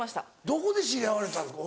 どこで知り合われたんですか？